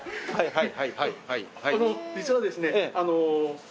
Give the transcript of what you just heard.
はい。